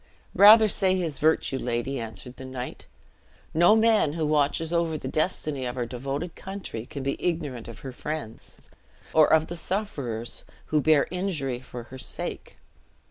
"Rather say his virtue, lady," answered the knight; "no man who watches over the destiny of our devoted country can be ignorant of her friends, or of the sufferers who bear injury for her sake.